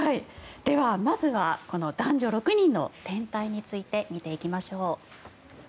まずはこの男女６人の戦隊について見ていきましょう。